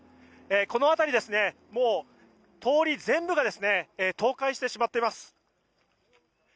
この辺り、もう通り全部が倒壊してしまっています。